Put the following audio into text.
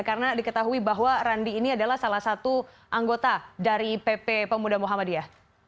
karena diketahui bahwa randi ini adalah salah satu anggota dari pp pamuda muhammadiyah